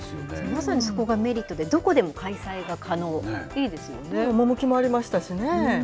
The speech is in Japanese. まさにそこがメリットで、どこでも開催が可能、いいですよね。